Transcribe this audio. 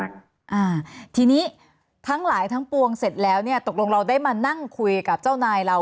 อ่าทีนี้ทั้งหลายทั้งปวงเสร็จแล้วเนี่ยตกลงเราได้มานั่งคุยกับเจ้านายเรา